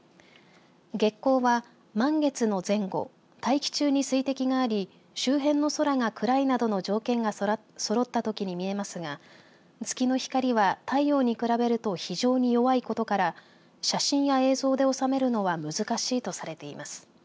月虹は満月の前後大気中に水滴があり周辺の空が暗いなどの条件がそろったときに見えますが、月の光は太陽に比べると非常に弱いことから写真や映像で収めるのは難しいとされています。